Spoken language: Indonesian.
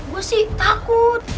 gue sih takut